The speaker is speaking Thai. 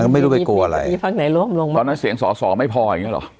ไม่รู้ไปโกวอะไรพักไหนร่วมลงตอนนั้นเสียงสอสอไม่พออย่างเงี้ยเหรอ